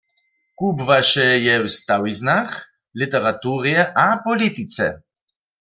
Kubłaše je w stawiznach, literaturje a politice.